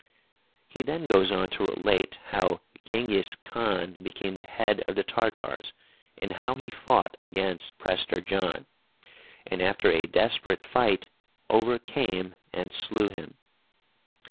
He then goes on to relate how Tschengis (Jenghiz )Khan became the head of the Tartars, and how he fought against Prester John, and, after a desperate fight, overcame and slew him.